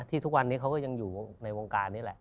ทุกวันนี้เขาก็ยังอยู่ในวงการนี่แหละ